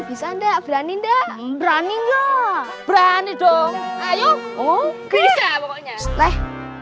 bisa ndak berani ndak berani dong ayo oh